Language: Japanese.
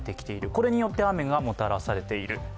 これによって雨がもたらされている。